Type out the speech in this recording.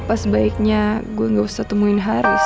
apa sebaiknya gue gak usah temuin haris